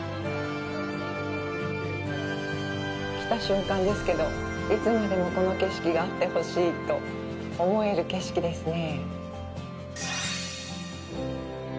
来た瞬間ですけど、いつまでもこの景色があってほしいと思える景色ですね。